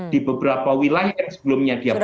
di beberapa wilayah yang sebelumnya dia